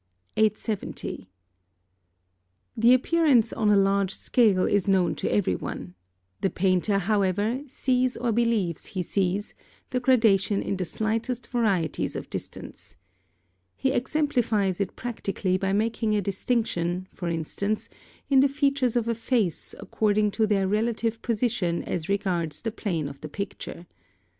870. The appearance on a large scale is known to every one; the painter, however, sees or believes he sees, the gradation in the slightest varieties of distance. He exemplifies it practically by making a distinction, for instance, in the features of a face according to their relative position as regards the plane of the picture.